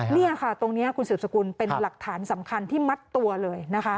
นี่ค่ะตรงนี้คุณสืบสกุลเป็นหลักฐานสำคัญที่มัดตัวเลยนะคะ